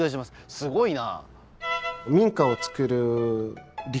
すごいな。